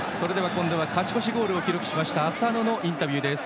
勝ち越しゴールを記録した浅野のインタビューです。